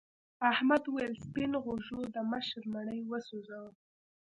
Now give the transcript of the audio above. احمد وویل سپین غوږو د مشر مړی وسوځاوه.